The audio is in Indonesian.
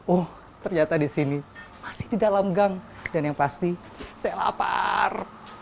oh ternyata di sini masih di dalam gang dan yang pasti saya lapar